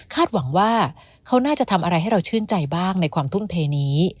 หวังว่าเขาน่าจะทำอะไรให้เราชื่นใจบ้างในความทุ่มเทนี้